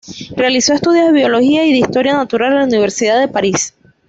Realizó estudios de Biología y de historia natural en la Universidad de París.